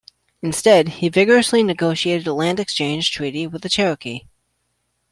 Instead, he vigorously negotiated a land exchange treaty with the Cherokee.